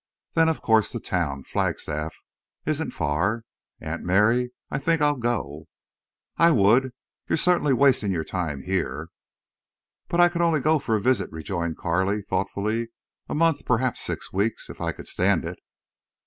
Then, of course, the town—Flagstaff—isn't far.... Aunt Mary, I think I'll go." "I would. You're certainly wasting your time here." "But I could only go for a visit," rejoined Carley, thoughtfully. "A month, perhaps six weeks, if I could stand it."